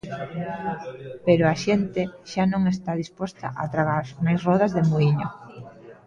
Pero a xente xa non está disposta a tragar máis rodas de muíño.